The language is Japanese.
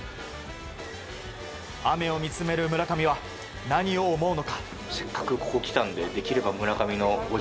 雨を見つめる村上は何を思うのか。